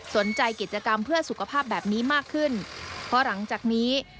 สนใจกิจกรรมเพื่อสุขภาพแบบนี้มากขึ้น